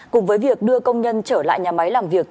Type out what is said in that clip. cùng với việc đưa công nhân trở lại nhà máy làm việc